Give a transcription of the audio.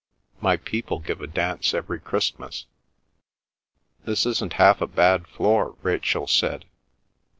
"My people give a dance every Christmas." "This isn't half a bad floor," Rachel said.